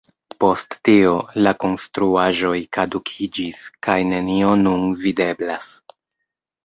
Post tio la konstruaĵoj kadukiĝis, kaj nenio nun videblas.